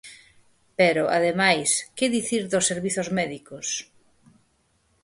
Pero, ademais, ¿que dicir dos servizos médicos?